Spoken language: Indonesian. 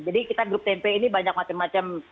jadi kita grup tempe ini banyak macam macam